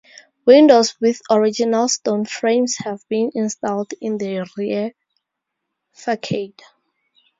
Windows with original stone frames have been installed in the rear facade.